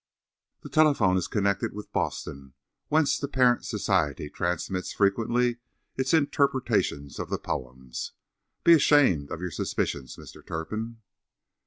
The telephone is connected with Boston, whence the parent society transmits frequently its interpretations of the poems. Be ashamed of yer suspicions, Mr. Turpin."